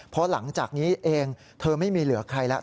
เพราะหลังจากนี้เองเธอไม่มีเหลือใครแล้ว